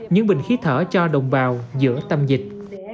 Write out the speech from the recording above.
những bình khí thở cho đồng bào giữa tâm dịch